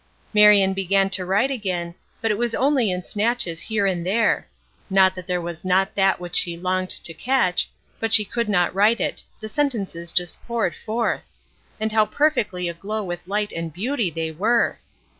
Marion began to write again, but it was only in snatches here and there; not that there was not that which she longed to catch, but she could not write it the sentences just poured forth; and how perfectly aglow with light and beauty they were!